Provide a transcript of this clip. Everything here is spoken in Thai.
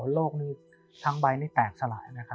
โลกทางใบนี้แตกสลาย